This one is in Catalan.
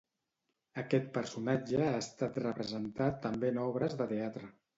Aquest personatge ha estat representat també en obres de teatre?